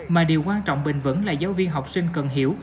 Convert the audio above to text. mà điều quan trọng bình vẫn là giáo viên học sinh cần hiểu